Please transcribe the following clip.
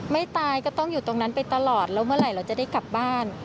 ไม่ตายก็ต้องอยู่ตรงนั้นไปตลอดแล้วเมื่อไหร่เราจะได้กลับบ้าน